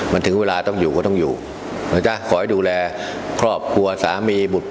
มันถึงเวลาต้องอยู่ก็ต้องอยู่นะจ๊ะขอให้ดูแลครอบครัวสามีบุตร